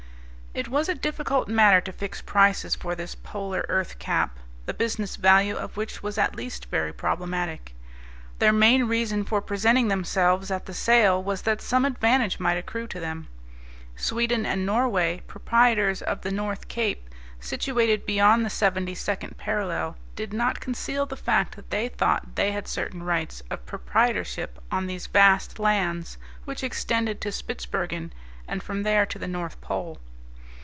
It was a difficult matter to fix prices for this polar earth cap, the business value of which was at least very problematic. Their main reason for presenting themselves at the sale was that some advantage might accrue to them. Sweden and Norway, proprietors of the North Cape, situated beyond the seventy second parallel, did not conceal the fact that they thought they had certain rights of proprietorship on these vast lands which extended to Spitsbergen, and from there to the North Pole.